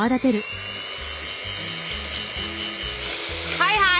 はいはい！